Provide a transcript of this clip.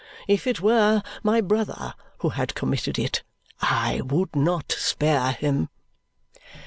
If it were my brother who had committed it, I would not spare him."